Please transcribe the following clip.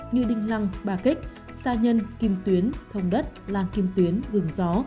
như đinh lăng bà kích sa nhân kim tuyến thông đất làng kim tuyến vườn gió